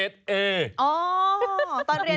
อ่อตอนเรียนคุณได้เกรดอะไร